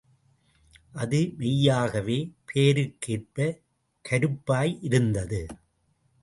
அது மெய்யாகவே பெயருக்கேற்ப கருப்பாயிருந்தது.